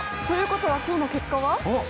ということは今日の結果は？